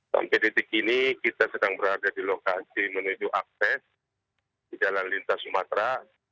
sampai detik ini kita sedang berada di lokasi menuju akses di jalan lintas sumatera